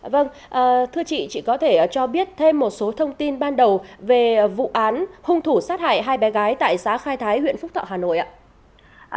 vâng thưa chị chị có thể cho biết thêm một số thông tin ban đầu về vụ án hung thủ sát hại hai bé gái tại xã khai thái huyện phúc thọ hà nội ạ